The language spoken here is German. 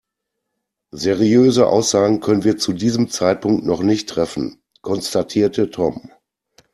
Seriöse Aussagen können wir zu diesem Zeitpunkt noch nicht treffen, konstatierte Tom.